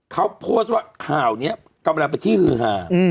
เขาโพสต์ว่าข่าวนี้กำลังเป็นที่ฮือฮา